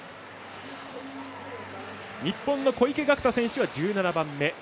日本の小池岳太選手は１７番目。